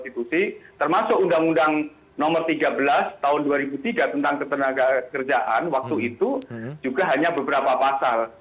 termasuk undang undang nomor tiga belas tahun dua ribu tiga tentang ketenaga kerjaan waktu itu juga hanya beberapa pasal